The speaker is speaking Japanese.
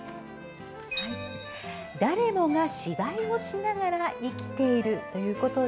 「誰もが芝居をしながら生きている」ということで